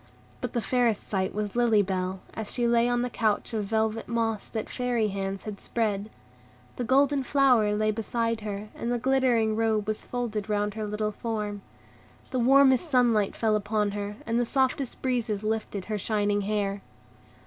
But the fairest sight was Lily Bell, as she lay on the couch of velvet moss that Fairy hands had spread. The golden flower lay beside her, and the glittering robe was folded round her little form. The warmest sunlight fell upon her, and the softest breezes lifted her shining hair.